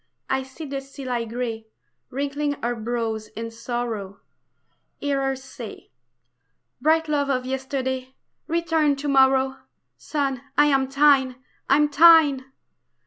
I see the sea lie gray Wrinkling her brows in sorrow, Hear her say: "Bright love of yesterday, return to morrow, Sun, I am thine, am thine!"